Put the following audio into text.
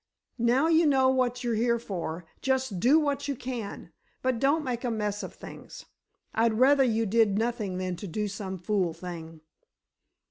Now, you know what you're here for; just do what you can—but don't make a mess of things. I'd rather you did nothing than to do some fool thing!"